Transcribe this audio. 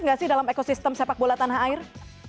nggak sih dalam ekosistem sepak bola tanah air